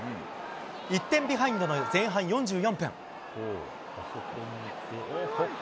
１点ビハインドの前半４４分。